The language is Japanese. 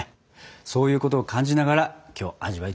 そういうことを感じながらきょう味わいたいと思います。